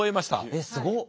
えっすごっ。